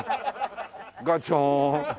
ガチョン。